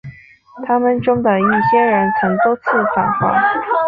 他们中的一些人曾多次访华。